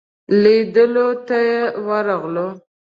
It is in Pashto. لیدلو ته ورغلو.